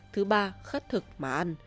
thứ ba khất thực mà ăn